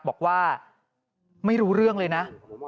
บอกว่าไม่รู้เรื่องเลยนะ